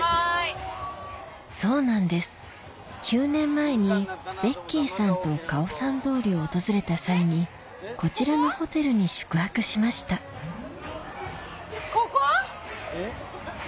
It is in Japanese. そうなんです９年前にベッキーさんとカオサン通りを訪れた際にこちらのホテルに宿泊しましたここ？